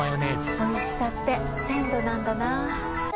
おいしさって鮮度なんだな。